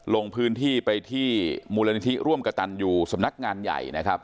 ลงพื้นที่ไปที่มูลนิธิร่วมกระตันอยู่สำนักงานใหญ่นะครับ